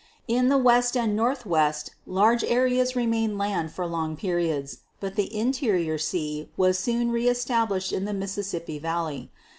In the West and Northwest large areas remained land for long periods, but the Interior Sea was soon reestablished in the Mississippi valley.